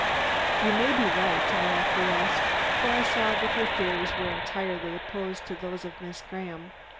"You may be right," I acquiesced, for I saw that her theories were entirely opposed to those of Miss Graham.